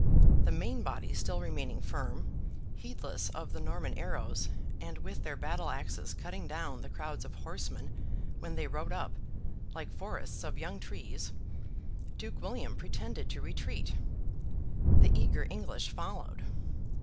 The main body still remaining firm, heedless of the Norman arrows, and with their battle axes cutting down the crowds of horsemen when they rode up, like forests of young trees,—Duke William pretended to retreat. The eager English followed.